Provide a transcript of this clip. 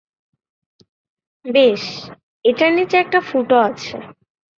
বেশ, এটার নিচে একটা ফুটো আছে।